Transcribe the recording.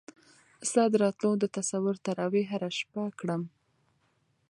ستا د راتلو د تصور تراوېح هره شپه کړم